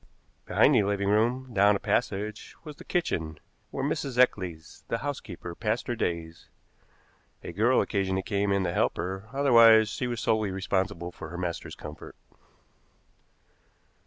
Behind the living room, down a passage, was the kitchen, where Mrs. Eccles, the housekeeper, passed her days. A girl occasionally came in to help her, otherwise she was solely responsible for her master's comfort.